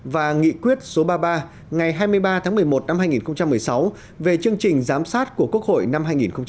và nghị quyết số ba mươi ba ngày hai mươi ba tháng một mươi một năm hai nghìn một mươi sáu về chương trình giám sát của quốc hội năm hai nghìn một mươi tám